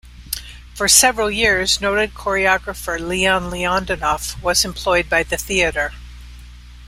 For several years noted choreographer Leon Leonidoff was employed by the theatre.